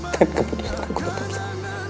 dan keputusan aku tetap sama